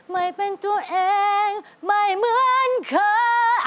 ไม่เป็นตัวเองไม่เหมือนขา